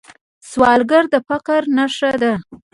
سوالګر د فقر نښه ده